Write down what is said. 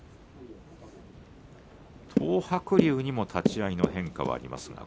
東白龍にも立ち合いの変化があります。